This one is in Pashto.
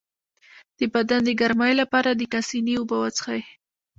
د بدن د ګرمۍ لپاره د کاسني اوبه وڅښئ